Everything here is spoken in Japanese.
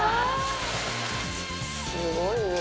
すごいね。